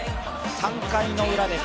３回のウラです。